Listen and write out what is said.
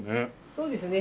そうですね。